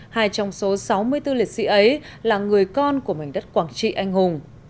hai trong số sáu mươi bốn liệt sĩ ấy là người con của mảnh đất quảng trị anh hùng